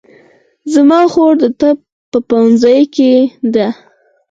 زما خور د طب په پوهنځي کې ده